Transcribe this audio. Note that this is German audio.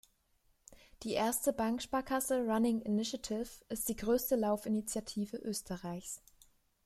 Die „Erste Bank Sparkasse Running-Initiative“ ist die größte Lauf-Initiative Österreichs.